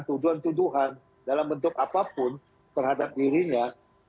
tuduhan tuduhan dalam bentuk apapun terhadap dirinya